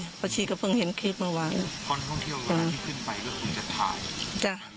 เพราะชีก็เพิ่งเห็นคลิปเมื่อสันวันอ่ะคนที่เข้ามาขึ้นไปก็ดูจะถ่าย